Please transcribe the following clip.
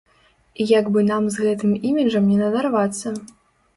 І як бы нам з гэтым іміджам не надарвацца.